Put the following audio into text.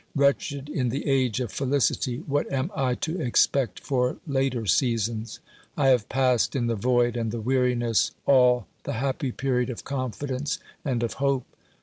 Wretched in the age of feUcity, what am I to expect for later seasons ? I have passed in the void and the weariness all the happy period of confidence and of hope.